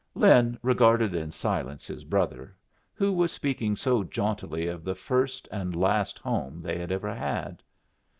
Lin regarded in silence his brother, who was speaking so jauntily of the first and last home they had ever had.